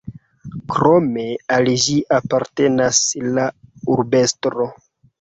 Krome al ĝi apartenas la urbestro.